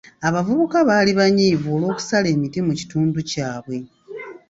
Abavubuka baali banyiivu olw'okusala emiti mu kitundu kyabwe.